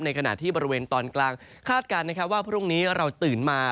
ขณะที่บริเวณตอนกลางคาดการณ์นะครับว่าพรุ่งนี้เราตื่นมา